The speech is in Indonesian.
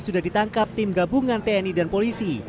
sudah ditangkap tim gabungan tni dan polisi